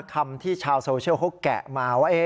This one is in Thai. คำที่ชาวโซเชียลเขาแกะมาว่า